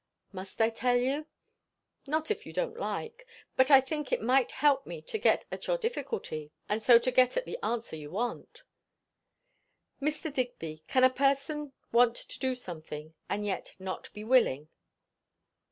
"Must I tell you?" "Not if you don't like; but I think it might help me to get at your difficulty, and so to get at the answer you want." "Mr. Digby, can a person want to do something, and yet not be willing?"